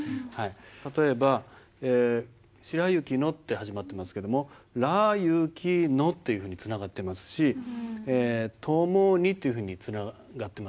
例えば「しらゆきの」って始まってますけども「らゆきの」っていうふうにつながってますし「ともに」っていうふうにつながってますね。